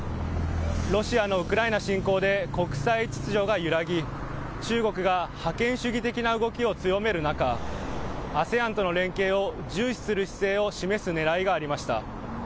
ロシアのウクライナ侵攻で国際秩序が揺らぎ、中国が覇権主義的な動きを強める中、ＡＳＥＡＮとの連携を重視する姿勢を示すねらいがありました。